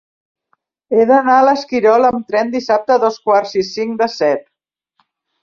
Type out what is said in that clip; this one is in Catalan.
He d'anar a l'Esquirol amb tren dissabte a dos quarts i cinc de set.